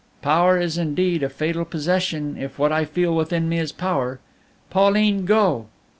"Power is indeed a fatal possession if what I feel within me is power. Pauline, go!